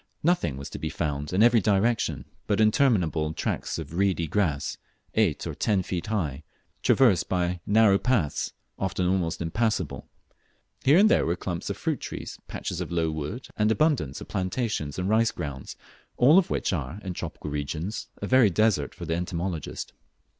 Nothing was to be found in every direction but interminable tracts of reedy grass, eight or ten feet high, traversed by narrow baths, often almost impassable. Here and there were clumps of fruit trees, patches of low wood, and abundance of plantations and rice grounds, all of which are, in tropical regions, a very desert for the entomologist.